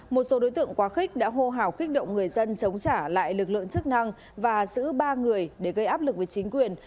một số đối tượng quá khích đã hô hào kích động người dân chống trả lại lực lượng chức năng và giữ ba người để gây áp lực với chính quyền